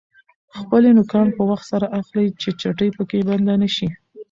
خپلې نوکان په وخت سره اخلئ چې چټلي پکې بنده نشي.